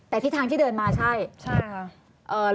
แต่ทิศทางที่เดินมาใช่ใช่ค่ะ